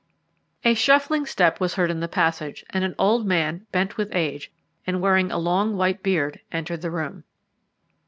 A shuffling step was heard in the passage, and an old man, bent with age, and wearing a long white beard, entered the room.